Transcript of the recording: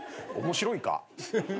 面白いか？